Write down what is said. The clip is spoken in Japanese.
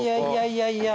いやいや。